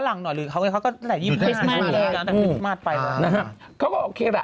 ลากันไปเลย